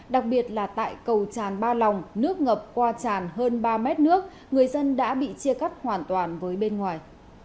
đặc biệt là tại cầu tràn ba lòng nước ngập qua tràn hơn ba mét nước người dân đã bị chia cắt hoàn toàn với bên ngoài